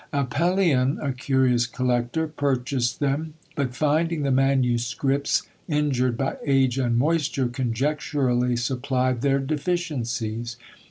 Apellion, a curious collector, purchased them, but finding the MSS. injured by age and moisture, conjecturally supplied their deficiencies.